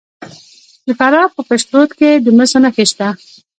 د فراه په پشت رود کې د مسو نښې شته.